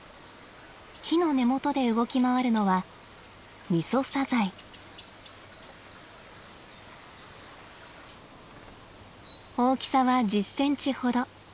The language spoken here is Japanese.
木の根元で動き回るのは大きさは１０センチほど。